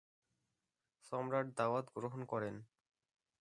সম্রাট দাওয়াত গ্রহণ করেন।